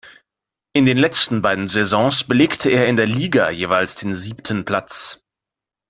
In den letzten beiden Saisons belegte er in der Liga jeweils den siebten Platz.